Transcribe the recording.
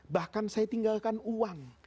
bahkan saya tinggalkan uang